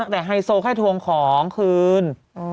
แต่ไฮโซแค่ทวงของคืน